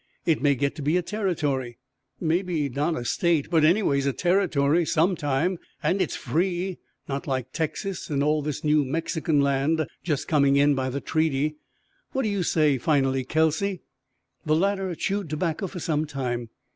"It may get to be a territory maybe not a state, but anyways a territory, some time. And it's free! Not like Texas and all this new Mexican land just coming in by the treaty. What do you say, finally, Kelsey?" The latter chewed tobacco for some time.